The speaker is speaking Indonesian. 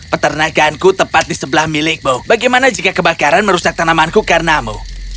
peternakan ku tepat di sebelah milikmu bagaimana jika kebakaran merusak tanaman ku karnamu